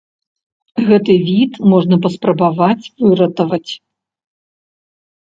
Гэты від можна паспрабаваць выратаваць.